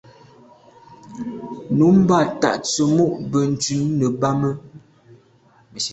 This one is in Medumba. Nummb’a ta tsemo’ benntùn nebame.